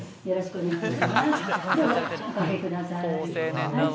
よろしくお願いします。